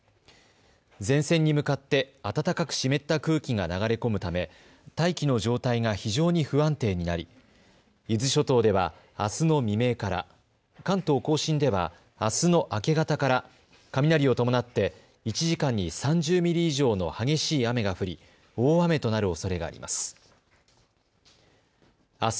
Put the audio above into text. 前線に向かって暖かく湿った空気が流れ込むため大気の状態が非常に不安定になり伊豆諸島では、あすの未明から、関東甲信ではあすの明け方から雷を伴って１時間に３０ミリ以上の激しい雨が降り大雨となるおそれがあります。